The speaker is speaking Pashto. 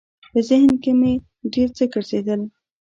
په ذهن کې مې ډېر څه ګرځېدل.